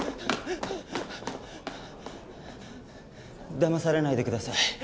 だまされないでください。